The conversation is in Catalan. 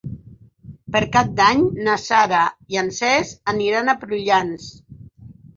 Per Cap d'Any na Sara i en Cesc aniran a Prullans.